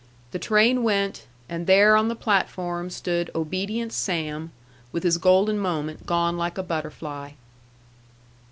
the train went, and there on the platform stood obedient Sam, with his golden moment gone like a butterfly.